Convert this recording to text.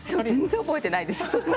全然覚えていないです。